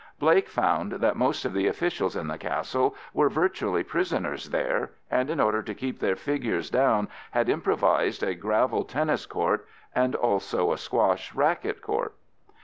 Blake found that most of the officials in the Castle were virtually prisoners there, and in order to keep their figures down had improvised a gravel tennis court and also a squash racket court.